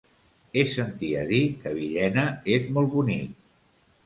He sentit a dir que Villena és molt bonic.